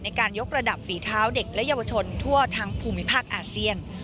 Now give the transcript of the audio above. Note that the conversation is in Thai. ในการยกระดับฝีเท้าเด็กและเยาวชนทั่วทั้งภูมิภาคอาเซียน